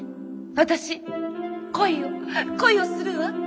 私恋を恋をするわ。